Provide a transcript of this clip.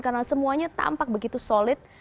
karena semuanya tampak begitu solid